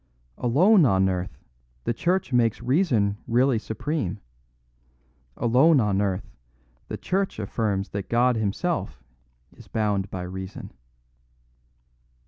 Alone on earth, the Church makes reason really supreme. Alone on earth, the Church affirms that God himself is bound by reason."